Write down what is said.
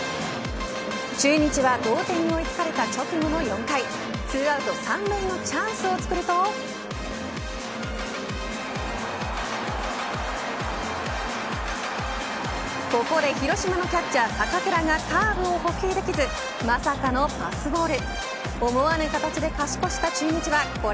中日は同点に追いつかれた直後の４回２アウト３塁のチャンスをつくるとここで広島のキャッチャー坂倉がカーブを捕球できずまさかのパスボール。